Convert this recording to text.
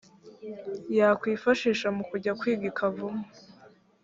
yakwifashisha mu kujya kwiga i kavumu .